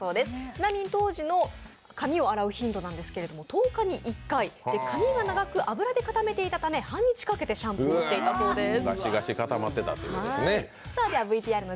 ちなみに当時の髪を洗う頻度なんですけど１０日に１回で、髪が長く油で固めていたため、半日かけてシャンプーをしていたそうです。